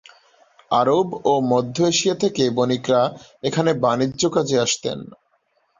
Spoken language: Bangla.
আরব ও মধ্য এশিয়া থেকে বণিকরা এখানে বাণিজ্য কাজে আসতেন।